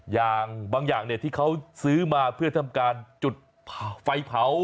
อย่างบางอย่างเนี่ยที่เขาซื้อมาเพื่อทำการจุดไฟเผา